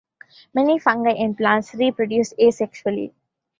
Many fungi and plants reproduce asexually.